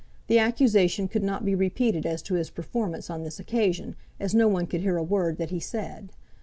The accusation could not be repeated as to his performance on this occasion, as no one could hear a word that he said.